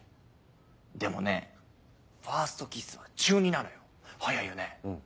でもねファーストキスは中２なのよ早いよね。